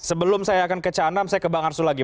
sebelum saya akan ke canam saya ke bang arsul lagi